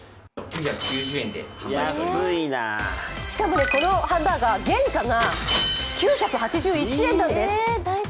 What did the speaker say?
しかもこのハンバーガー、原価が９８１円なんです。